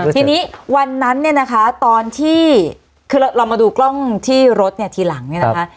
ทีนี้วันนั้นเนี่ยนะคะตอนที่คือเรามาดูกล้องที่รถเนี่ยทีหลังเนี่ยนะคะ